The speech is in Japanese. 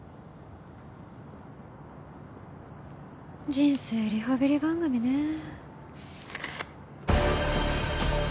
人生リハビリ番組ねえ。